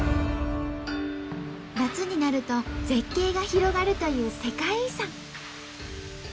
夏になると絶景が広がるという世界遺産。